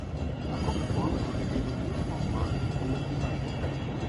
A Coca-Cola é uma bebida muito popular em todo o mundo.